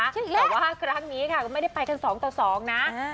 ใช่แล้วแต่ว่าครั้งนี้ค่ะก็ไม่ได้ไปกันสองต่อสองนะอ่า